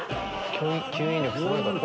吸引力すごいから。